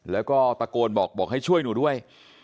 แล้วก็ตะโกนบอกให้ช่วยหนูด้วย